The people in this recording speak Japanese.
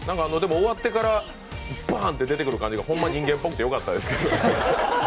終わってからバンて出てくる感じが、ホンマ人間っぽくてよかったです。